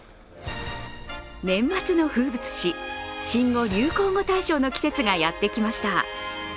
年末の風物詩、新語・流行語大賞の季節がやってきました。